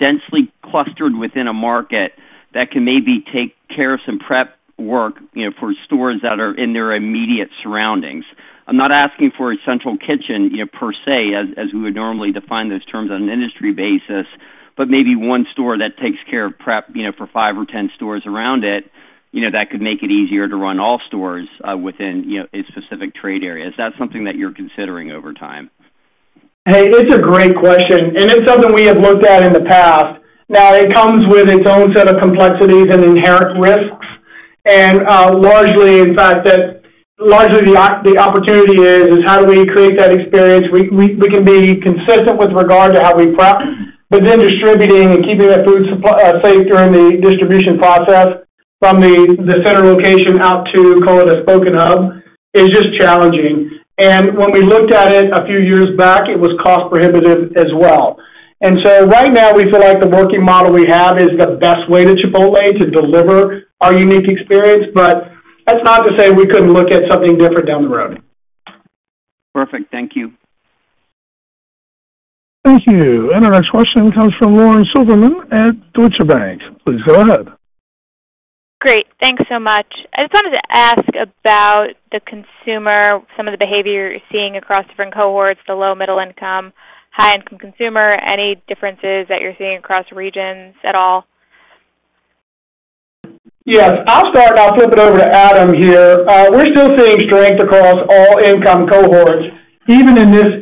densely clustered within a market that can maybe take care of some prep work for stores that are in their immediate surroundings? I'm not asking for a central kitchen per se, as we would normally define those terms on an industry basis, but maybe one store that takes care of prep for five or 10 stores around it that could make it easier to run all stores within a specific trade area. Is that something that you're considering over time? It's a great question, and it's something we have looked at in the past. Now, it comes with its own set of complexities and inherent risks, and largely, in fact, largely the opportunity is how do we create that experience? We can be consistent with regard to how we prep, but then distributing and keeping that food safe during the distribution process from the center location out to call it a spoke-and-hub is just challenging, and when we looked at it a few years back, it was cost prohibitive as well, and so right now, we feel like the working model we have is the best way to Chipotle to deliver our unique experience, but that's not to say we couldn't look at something different down the road. Perfect. Thank you. Thank you, and our next question comes from Lauren Silberman at Deutsche Bank. Please go ahead. Great. Thanks so much. I just wanted to ask about the consumer, some of the behavior you're seeing across different cohorts, the low, middle-income, high-income consumer, any differences that you're seeing across regions at all? Yes. I'll start and I'll flip it over to Adam here. We're still seeing strength across all income cohorts, even in this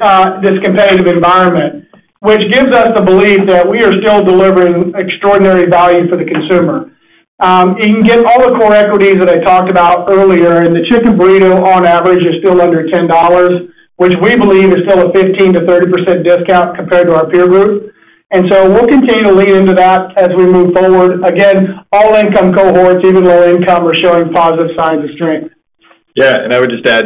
competitive environment, which gives us the belief that we are still delivering extraordinary value for the consumer. You can get all the core equities that I talked about earlier, and the chicken burrito on average is still under $10, which we believe is still a 15%-30% discount compared to our peer group. And so we'll continue to lean into that as we move forward. Again, all income cohorts, even low income, are showing positive signs of strength. Yeah. I would just add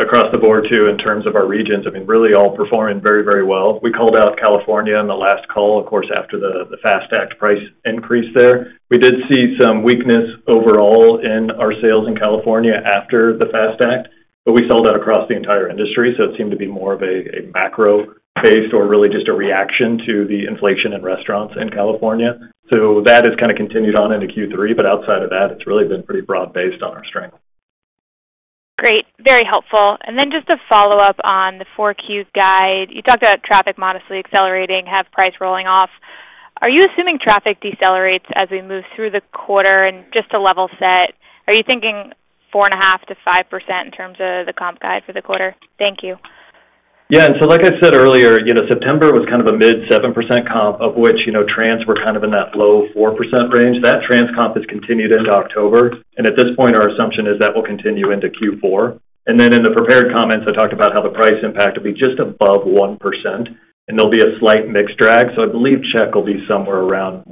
across the board too, in terms of our regions. I mean, really all performing very, very well. We called out California in the last call, of course, after the FAST Act price increase there. We did see some weakness overall in our sales in California after the FAST Act, but we saw that across the entire industry. So it seemed to be more of a macro-based or really just a reaction to the inflation in restaurants in California. So that has kind of continued on into Q3, but outside of that, it's really been pretty broad-based on our strength. Great. Very helpful. Then just to follow up on the Q4's guide, you talked about traffic modestly accelerating, have price rolling off. Are you assuming traffic decelerates as we move through the quarter and just to level set? Are you thinking 4.5%-5% in terms of the comp guide for the quarter? Thank you. Yeah. And so like I said earlier, September was kind of a mid 7% comp, of which trans were kind of in that low 4% range. That trans comp has continued into October. And at this point, our assumption is that will continue into Q4. And then in the prepared comments, I talked about how the price impact will be just above 1%, and there'll be a slight mix drag. So I believe check will be somewhere around 1%.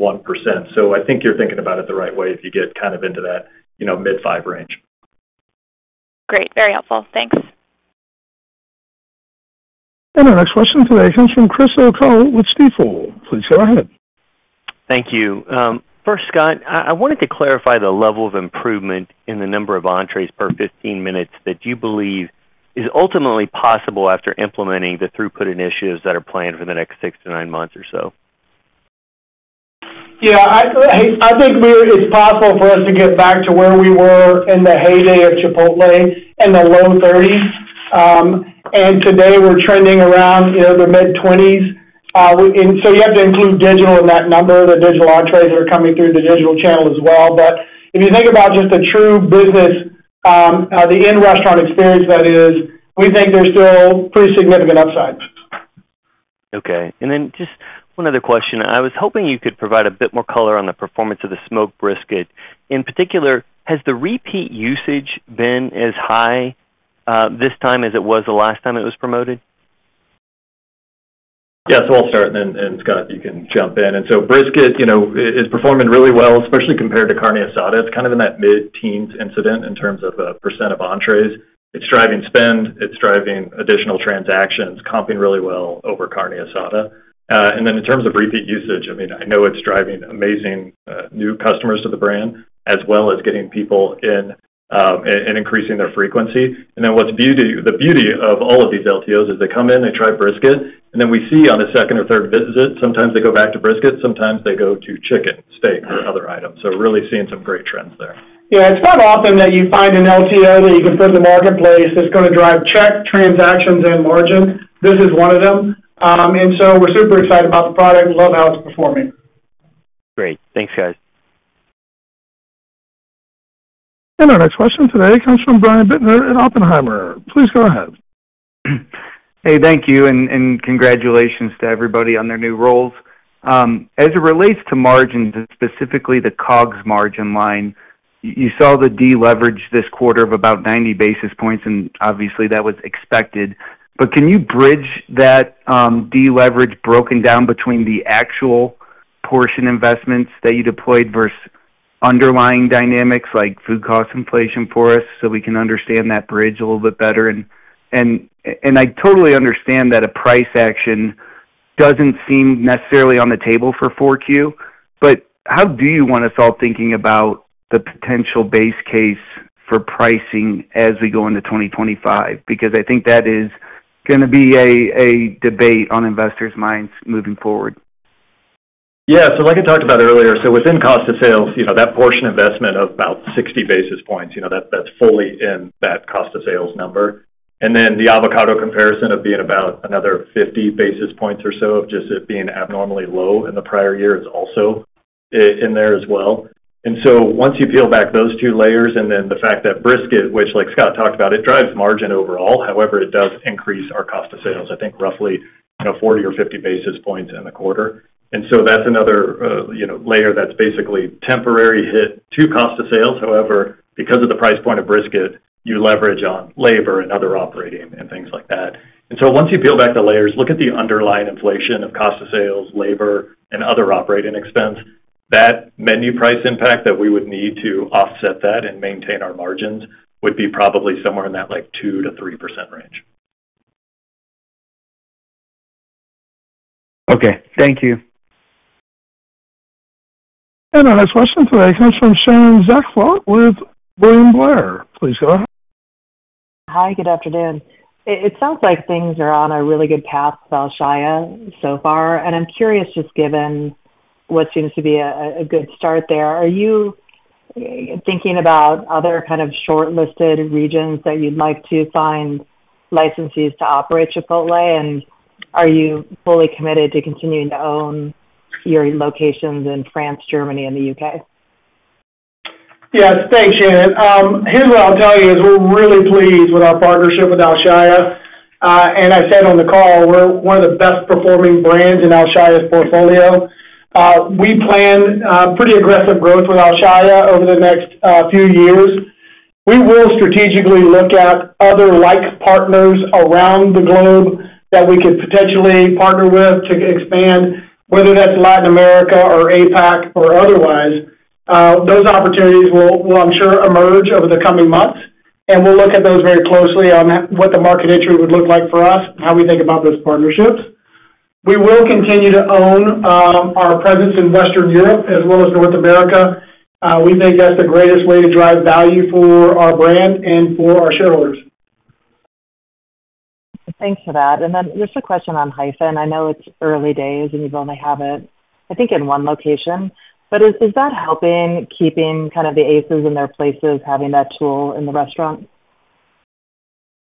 So I think you're thinking about it the right way if you get kind of into that mid 5 range. Great. Very helpful. Thanks. And our next question today comes from Chris O'Cull with Stifel. Please go ahead. Thank you. First, Scott, I wanted to clarify the level of improvement in the number of entrees per 15 minutes that you believe is ultimately possible after implementing the throughput initiatives that are planned for the next six to nine months or so. Yeah. I think it's possible for us to get back to where we were in the heyday of Chipotle and the low 30s, and today, we're trending around the mid 20s, so you have to include digital in that number, the digital entrees that are coming through the digital channel as well, but if you think about just the true business, the in-restaurant experience that is, we think there's still pretty significant upside. Okay and then just one other question. I was hoping you could provide a bit more color on the performance of the Smoked Brisket. In particular, has the repeat usage been as high this time as it was the last time it was promoted? Yeah. So I'll start, and then Scott, you can jump in. And so brisket is performing really well, especially compared to carne asada. It's kind of in that mid-teens incidence in terms of % of entrees. It's driving spend. It's driving additional transactions, comping really well over carne asada. And then in terms of repeat usage, I mean, I know it's driving amazing new customers to the brand as well as getting people in and increasing their frequency. And then the beauty of all of these LTOs is they come in, they try brisket, and then we see on the second or third visit, sometimes they go back to brisket, sometimes they go to chicken, steak, or other items. So really seeing some great trends there. Yeah. It's not often that you find an LTO that you can put in the marketplace that's going to drive check transactions and margin. This is one of them. And so we're super excited about the product. We love how it's performing. Great. Thanks, guys. And our next question today comes from Brian Bittner at Oppenheimer. Please go ahead. Hey. Thank you. And congratulations to everybody on their new roles. As it relates to margins, specifically the COGS margin line, you saw the deleverage this quarter of about 90 basis points, and obviously, that was expected. But can you bridge that deleverage broken down between the actual portion investments that you deployed versus underlying dynamics like food cost inflation for us so we can understand that bridge a little bit better? And I totally understand that a price action doesn't seem necessarily on the table for 4Q, but how do you want us all thinking about the potential base case for pricing as we go into 2025? Because I think that is going to be a debate on investors' minds moving forward. Yeah. So like I talked about earlier, so within cost of sales, that portion investment of about 60 basis points, that's fully in that cost of sales number. And then the avocado comparison of being about another 50 basis points or so of just it being abnormally low in the prior year is also in there as well. And so once you peel back those two layers and then the fact that brisket, which like Scott talked about, it drives margin overall, however, it does increase our cost of sales, I think roughly 40 or 50 basis points in the quarter. And so that's another layer that's basically temporary hit to cost of sales. However, because of the price point of brisket, you leverage on labor and other operating and things like that. And so once you peel back the layers, look at the underlying inflation of cost of sales, labor, and other operating expense, that menu price impact that we would need to offset that and maintain our margins would be probably somewhere in that 2%-3% range. Okay. Thank you. And our next question today comes from Sharon Zackfia with William Blair. Please go ahead. Hi. Good afternoon. It sounds like things are on a really good path with Alshaya so far. And I'm curious, just given what seems to be a good start there, are you thinking about other kind of shortlisted regions that you'd like to find licensees to operate Chipotle? And are you fully committed to continuing to own your locations in France, Germany, and the U.K.? Yes. Thanks, Sharon. Here's what I'll tell you is we're really pleased with our partnership with Alshaya. And I said on the call, we're one of the best performing brands in Alshaya's portfolio. We plan pretty aggressive growth with Alshaya over the next few years. We will strategically look at other like partners around the globe that we could potentially partner with to expand, whether that's Latin America or APAC or otherwise. Those opportunities will, I'm sure, emerge over the coming months, and we'll look at those very closely on what the market entry would look like for us and how we think about those partnerships. We will continue to own our presence in Western Europe as well as North America. We think that's the greatest way to drive value for our brand and for our shareholders. Thanks for that. And then just a question on Hyphen. And I know it's early days and you've only had it, I think, in one location. But is that helping keeping kind of the aces in their places, having that tool in the restaurant?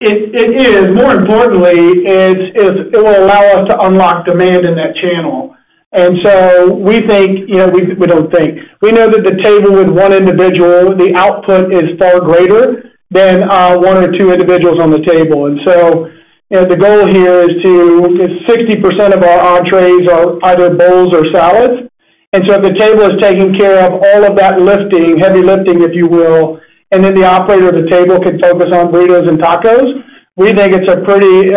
It is. More importantly, it will allow us to unlock demand in that channel. And so we think we don't think. We know that the table with one individual, the output is far greater than one or two individuals on the table. And so the goal here is to 60% of our entrees are either bowls or salads. And so if the table is taking care of all of that lifting, heavy lifting, if you will, and then the operator of the table could focus on burritos and tacos, we think it's a pretty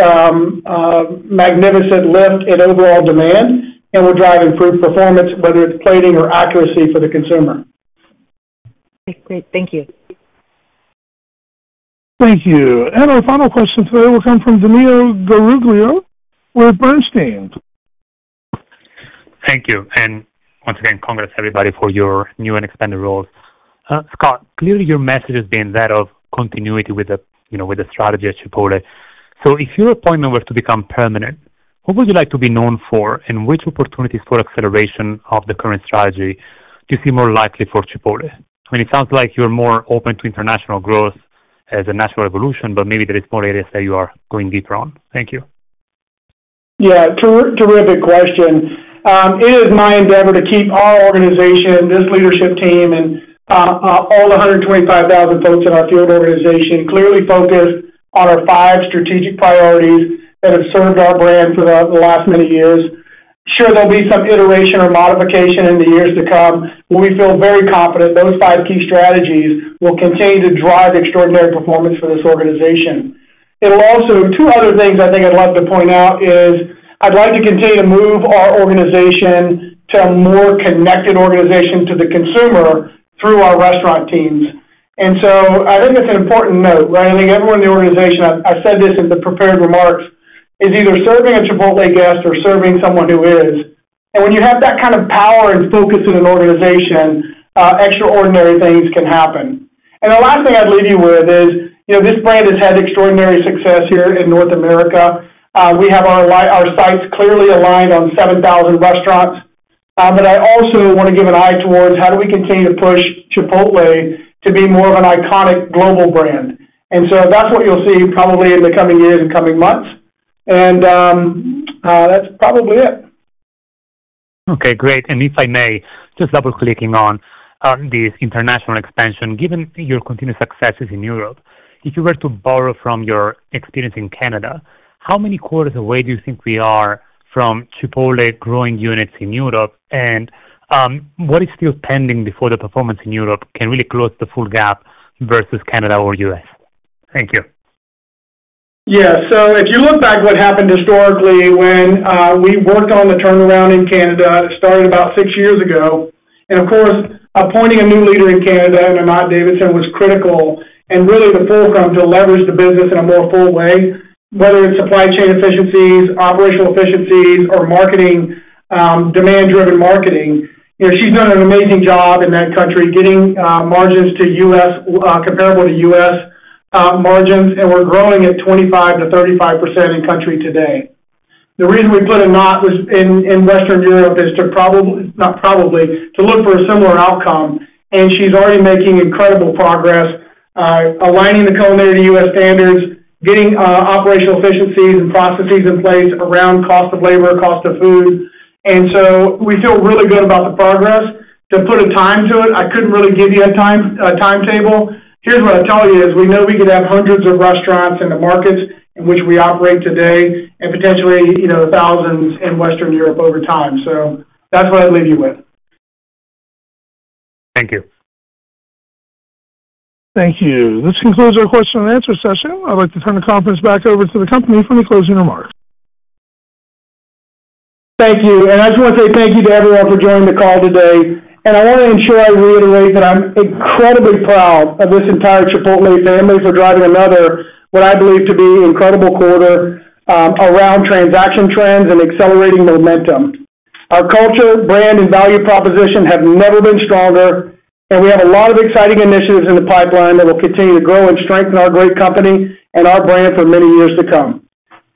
magnificent lift in overall demand. And we're driving proven performance, whether it's plating or accuracy for the consumer. Okay. Great. Thank you. Thank you. And our final question today will come from Danilo Gargiulo with Bernstein. Thank you. And once again, congrats to everybody for your new and expanded roles. Scott, clearly your message has been that of continuity with the strategy at Chipotle. So if your appointment were to become permanent, what would you like to be known for and which opportunities for acceleration of the current strategy do you see more likely for Chipotle? I mean, it sounds like you're more open to international growth as a natural evolution, but maybe there are more areas that you are going deeper on. Thank you. Yeah. Terrific question. It is my endeavor to keep our organization, this leadership team, and all the 125,000 folks in our field organization clearly focused on our five strategic priorities that have served our brand for the last many years. Sure, there'll be some iteration or modification in the years to come, but we feel very confident those five key strategies will continue to drive extraordinary performance for this organization. Two other things I think I'd love to point out is I'd like to continue to move our organization to a more connected organization to the consumer through our restaurant teams. And so I think that's an important note, right? I think everyone in the organization, I said this in the prepared remarks, is either serving a Chipotle guest or serving someone who is. And when you have that kind of power and focus in an organization, extraordinary things can happen. And the last thing I'd leave you with is this brand has had extraordinary success here in North America. We have our sites clearly aligned on 7,000 restaurants. But I also want to give an eye towards how do we continue to push Chipotle to be more of an iconic global brand. And so that's what you'll see probably in the coming years and coming months. And that's probably it. Okay. Great. And if I may, just double-clicking on this international expansion. Given your continued successes in Europe, if you were to borrow from your experience in Canada, how many quarters away do you think we are from Chipotle growing units in Europe? And what is still pending before the performance in Europe can really close the full gap versus Canada or U.S.? Thank you. Yeah. So if you look back at what happened historically when we worked on the turnaround in Canada, it started about six years ago. And of course, appointing a new leader in Canada and Scott Boatwright was critical and really the forefront to leverage the business in a more full way, whether it's supply chain efficiencies, operational efficiencies, or demand-driven marketing. She's done an amazing job in that country getting margins to U.S., comparable to U.S. margins, and we're growing at 25%-35% in country today. The reason we put a foot in Western Europe is to probably, not probably, look for a similar outcome, and she's already making incredible progress aligning the culinary to U.S. standards, getting operational efficiencies and processes in place around cost of labor, cost of food, and so we feel really good about the progress. To put a time to it, I couldn't really give you a timetable. Here's what I'll tell you is we know we could have hundreds of restaurants in the markets in which we operate today and potentially thousands in Western Europe over time, so that's what I'd leave you with. Thank you. Thank you. This concludes our question-and-answer session. I'd like to turn the conference back over to the company for the closing remarks. Thank you, and I just want to say thank you to everyone for joining the call today, and I want to ensure I reiterate that I'm incredibly proud of this entire Chipotle family for driving another, what I believe to be incredible quarter around transaction trends and accelerating momentum. Our culture, brand, and value proposition have never been stronger, and we have a lot of exciting initiatives in the pipeline that will continue to grow and strengthen our great company and our brand for many years to come.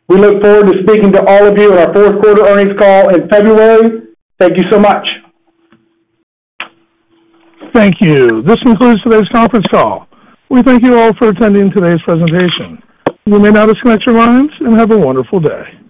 We look forward to speaking to all of you at our fourth quarter earnings call in February. Thank you so much. Thank you. This concludes today's conference call. We thank you all for attending today's presentation. You may now disconnect your lines and have a wonderful day.